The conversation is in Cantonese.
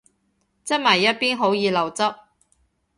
側埋一邊好易漏汁